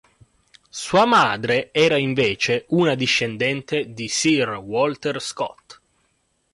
Sua madre era invece una discendente di Sir Walter Scott.